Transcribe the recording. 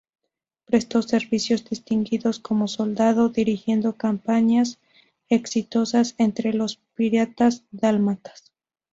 Prestó servicios distinguidos como soldado, dirigiendo campañas exitosas contra los piratas dálmatas.